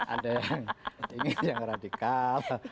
ada yang ingin yang radikal